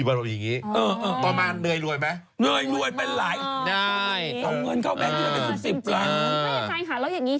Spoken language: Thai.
ฟันทง